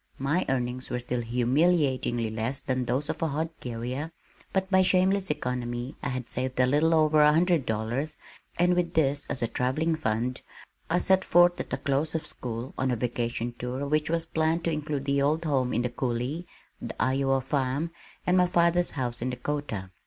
My earnings were still humiliatingly less than those of a hod carrier, but by shameless economy I had saved a little over one hundred dollars and with this as a travelling fund, I set forth at the close of school, on a vacation tour which was planned to include the old home in the Coulee, the Iowa farm, and my father's house in Dakota.